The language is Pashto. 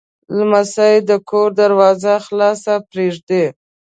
لمسی د کور دروازه خلاصه پرېږدي.